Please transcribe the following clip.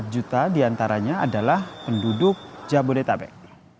dua puluh delapan empat juta diantaranya adalah penduduk jabodetabek